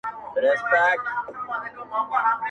هغه شپه مي د ژوندون وروستی ماښام وای.!